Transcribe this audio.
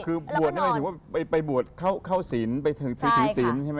คือบวชนี่หมายถึงว่าไปบวชเข้าศิลป์ไปถือศิลป์ใช่ไหม